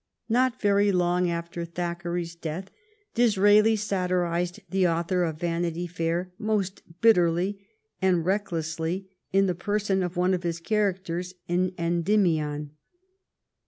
Not very long after Thackeray's death Disraeli satirized the author of " Vanity Fair '' most bitterly and recklessly in the person of one of the characters in " Endymion."